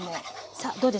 さあどうです。